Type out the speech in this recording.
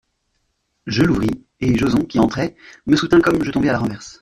Je l'ouvris, et Joson, qui entrait, me soutint comme je tombais à la renverse.